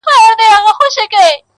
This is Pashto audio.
د ځوانیمرګو زړو تاوده رګونه-